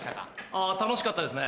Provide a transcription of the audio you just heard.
あぁ楽しかったですね。